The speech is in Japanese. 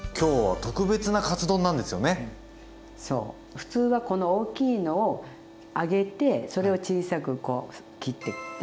普通はこの大きいのを揚げてそれを小さくこう切ってって。